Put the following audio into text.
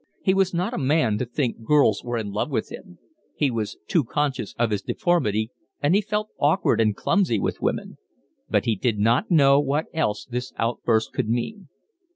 He was not a man to think girls were in love with him; he was too conscious of his deformity, and he felt awkward and clumsy with women; but he did not know what else this outburst could mean.